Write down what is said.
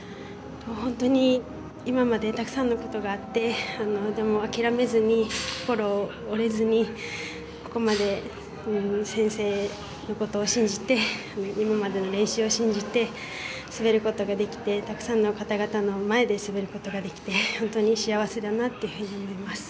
本当に今までたくさんのことがあってでも諦めずに、心折れずにここまで先生のことを信じて今までの練習を信じて滑ることができてたくさんの方々の前で滑ることができて本当に幸せだなと思います。